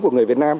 của người việt nam